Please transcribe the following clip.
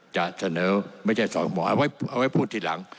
จะเสนอไม่ใช่สวเอาไว้พูดทีหลัง